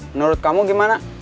menurut kamu gimana